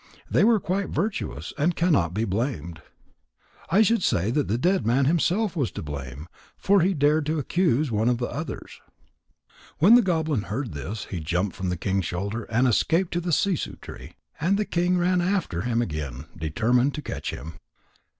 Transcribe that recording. They were quite virtuous, and cannot be blamed. I should say that the dead man himself was to blame, for he dared to accuse one of the others." When the goblin heard this, he jumped from the king's shoulder and escaped to the sissoo tree. And the king ran after him again, determined to catch him.